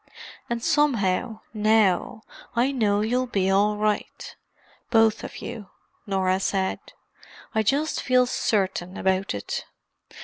"And somehow, now, I know you'll be all right—both of you," Norah said. "I just feel certain about it.